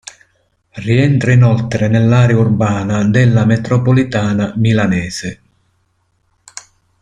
Rientra inoltre nell'area urbana della metropolitana milanese.